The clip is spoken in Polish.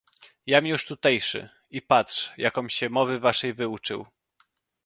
"Jam już tutejszy, i patrz, jakom się mowy waszej wyuczył."